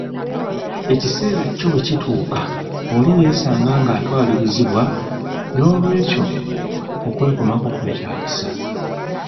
Ekiseera kyo bwe kituuka oli yeesanga nga atwalirizibbwa, nolwekyo okwekomako kwetaagisa.